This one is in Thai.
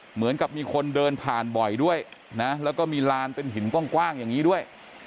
เหมือนกับมีคนเดินผ่านบ่อยด้วยนะแล้วก็มีลานเป็นหินกว้างอย่างนี้ด้วย